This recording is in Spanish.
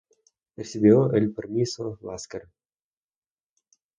Recibió el Premio Lasker.